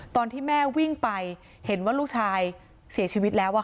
ตอนที่แม่วิ่งไปเห็นว่าลูกชายเสียชีวิตแล้ว